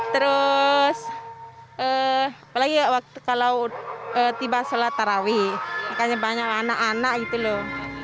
terus apalagi kalau tiba sholat tarawih makanya banyak anak anak gitu loh